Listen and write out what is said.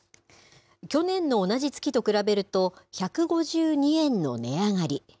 去年の同じ月と比べると、１５２円の値上がり。